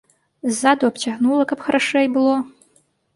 Ззаду абцягнула, каб харашэй было.